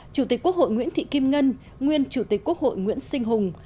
chủ tịch quốc hội nguyễn thị kim ngân nguyên chủ tịch quốc hội nguyễn sinh hùng